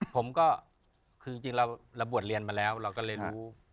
ผมก็คือจริงเราบวชเรียนมาแล้วเราก็เรียนรู้